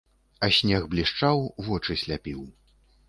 А снег блішчаў, вочы сляпіў.